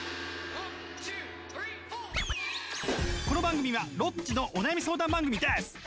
この番組はロッチのお悩み相談番組です。